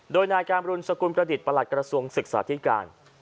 โดยนายการบรุณสกุลประดิษฐ์ประหลัดกระทรวงศึกษาธิการ